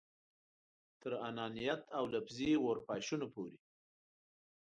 تر انانیت او لفظي اورپاشنو پورې.